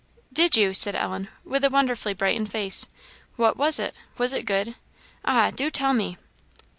"Did you?" said Ellen, with a wonderfully brightened face "what was it? was it good? ah! do tell me!"